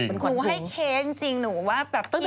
หนูให้เคจริงหนูว่า